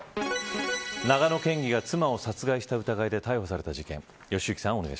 長野県議が妻を殺害した疑いで逮捕された事件。